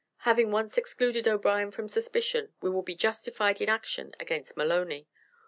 Having once excluded O'Brien from suspicion, we will be justified in action against Maloney.